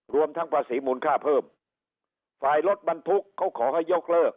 รวมทั้งภาษีมูลค่าเพิ่มฝ่ายรถบรรทุกเขาขอให้ยกเลิก